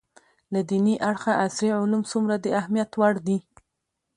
له دیني اړخه عصري علوم څومره د اهمیت وړ دي